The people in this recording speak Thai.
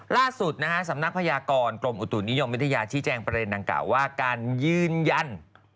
ล่าสุดนะฮะสำนักพยากรกรมอุตุนิยมวิทยาชี้แจงประเด็นดังกล่าวว่าการยืนยัน